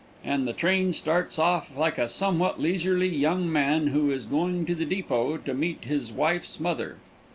and the train starts off like a somewhat leisurely young man who is going to the depot to meet his wife's mother.